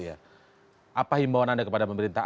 apa himbauan anda kepada pemerintah